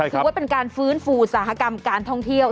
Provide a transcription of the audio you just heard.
ถือว่าเป็นการฟื้นฟูอุตสาหกรรมการท่องเที่ยว